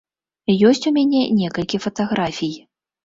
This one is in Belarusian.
Ёсць у мяне некалькі фатаграфій.